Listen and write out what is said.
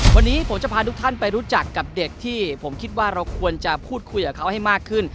วันนี้ผมจะพาทุกท่านไปรู้จักกับเด็กที่ผมคิดว่าเราควรจะพูดคุยกับเขาให้มากขึ้น